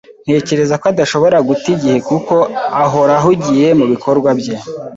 Ntekereza ko adashobora guta igihe kuko ahora ahugiye mubikorwa bye.